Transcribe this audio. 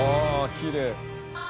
きれい。